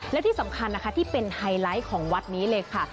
และที่สำคัญนะคะที่เป็นไฮไลท์ของวัดนี้เลยค่ะ